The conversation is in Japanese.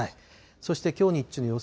そしてきょう日中の予想